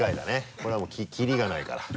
これはもうキリがないから。